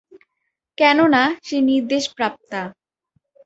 কেননা সে নির্দেশ প্রাপ্তা।